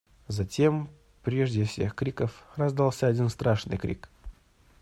Затем, прежде всех криков, раздался один страшный крик.